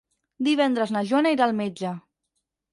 Divendres na Joana irà al metge.